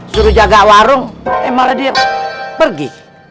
suruh jaga warung eh malah dia pergi